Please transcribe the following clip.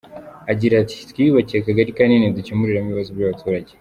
Agira ati “Twiyubakiye akagari kanini dukemuriramo ibibazo by’abaturage.